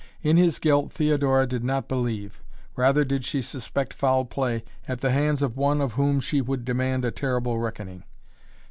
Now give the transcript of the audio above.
In his guilt Theodora did not believe, rather did she suspect foul play at the hands of one of whom she would demand a terrible reckoning.